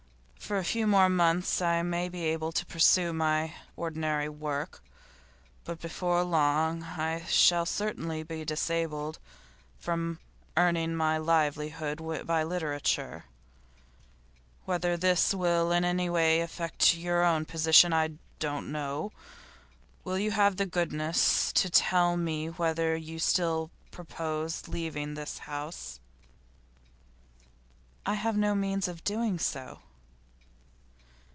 For a few more months I may be able to pursue my ordinary work, but before long I shall certainly be disabled from earning my livelihood by literature. Whether this will in any way affect your own position I don't know. Will you have the goodness to tell me whether you still purpose leaving this house?' 'I have no means of doing so.